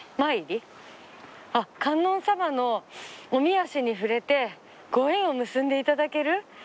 「観音さまのお御足に触れてご縁を結んでいただける」。